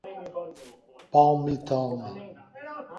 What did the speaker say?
Palmital